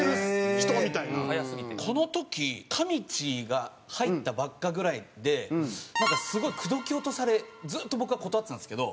この時かみちぃが入ったばっかぐらいでなんかすごい口説き落とされずっと僕は断ってたんですけど。